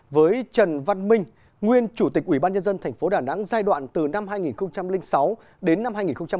với trần văn minh nguyên chủ tịch ủy ban nhân dân tp đà nẵng giai đoạn từ năm hai nghìn sáu đến năm hai nghìn một mươi